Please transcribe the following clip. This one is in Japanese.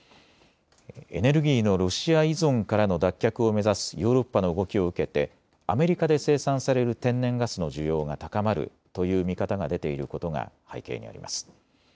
エネルギーのロシア依存からの脱却を目指すヨーロッパの動きを受けてアメリカで生産される天然ガスの需要が高まるという見方が出ていることが背景にあります。